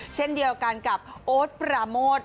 เช่นเดียวกันกับโอ๊ตปราโมท